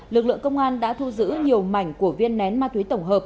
lực lượng công an đã thu giữ nhiều mảnh của viên nén ma túy tổng hợp